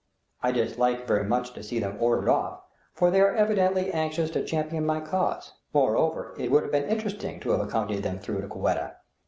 I dislike very much to see them ordered off, for they are evidently anxious to champion my cause; moreover, it would have been interesting to have accompanied them through to Quetta.